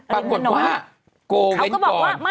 ปรากฏว่าโกเว้นก่อน